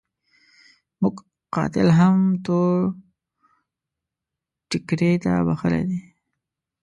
موږ قاتل هم تور ټکري ته بخښلی دی.